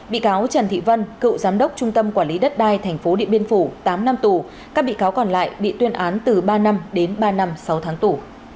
bị cáo trần thị vân cựu giám đốc trung tâm quản lý đất đai tp điện biên phủ tám năm tù các bị cáo còn lại bị tuyên án từ ba năm đến ba năm sáu tháng tù